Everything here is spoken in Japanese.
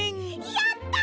やった！